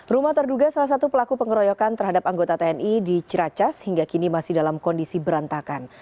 rumah terduga salah satu pelaku pengeroyokan terhadap anggota tni di ciracas hingga kini masih dalam kondisi berantakan